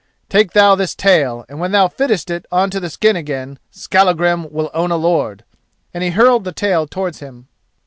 Take thou this tail, and when thou fittest it on to the skin again, Skallagrim will own a lord," and he hurled the tail towards him.